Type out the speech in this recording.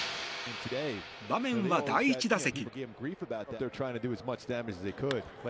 場面は第１打席。